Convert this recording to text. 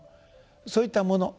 そういったもの。